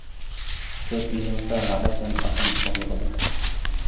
كۆپ يۇيۇنسا راھەت ھەم ئاسان ئۇخلىغىلى بولىدۇ.